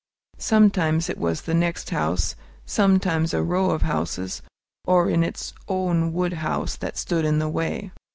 Sometimes it was the next house, sometimes a row of houses, or its own wood house, that stood in the way.